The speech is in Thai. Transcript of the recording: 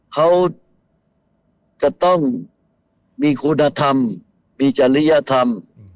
เขาจะต้องมีคุณธรรมมีจริยธรรม